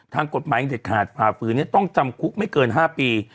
ทางกฎหมายเด็ดขาดฝ่าฝืนต้องจำคุกไม่เกิน๕ปี